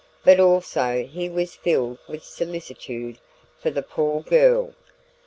But also he was filled with solicitude for the poor girl.